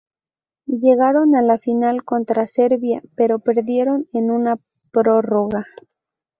Llegaron a la final, contra Serbia, pero perdieron en una prórroga.